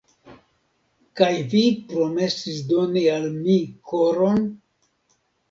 Kaj vi promesis doni al mi koron?